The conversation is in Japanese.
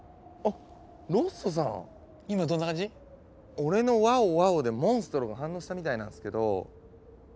俺の「ワオワオ」でモンストロが反応したみたいなんですけど。